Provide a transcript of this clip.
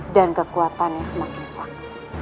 dan kekuatannya semakin sakti